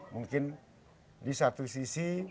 mungkin di satu sisi